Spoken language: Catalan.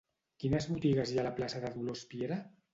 Quines botigues hi ha a la plaça de Dolors Piera?